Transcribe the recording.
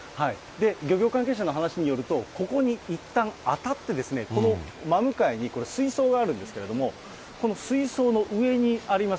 漁業関係者の話によると、ここにいったん当たって、真向かいに水槽があるんですけれども、この水槽の上にあります